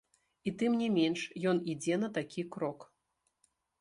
І тым не менш, ён ідзе на такі крок.